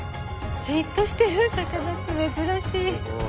じっとしてるお魚って珍しい。